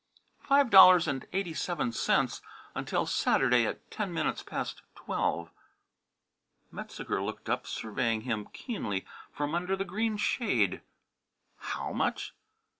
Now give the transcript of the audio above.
" five dollars and eighty seven cents until Saturday at ten minutes past twelve." Metzeger looked up, surveying him keenly from under the green shade. "How much?'